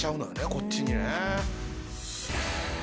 こっちにね。